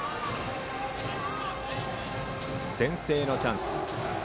先制のチャンス。